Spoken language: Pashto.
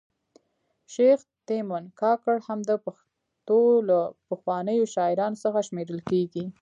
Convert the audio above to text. شیخ تیمن کاکړ هم د پښتو له پخوانیو شاعرانو څخه شمېرل کیږي